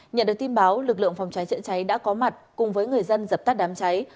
nhận được tin báo lực lượng phòng cháy chữa cháy đã có mặt cùng với người dân dập tắt đám cháy